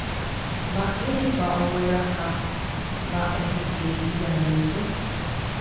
Mba'érepa ogueraha mba'ehe'ẽ ijarýipe.